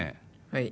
はい。